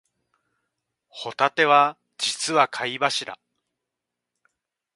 ホタテは実は貝柱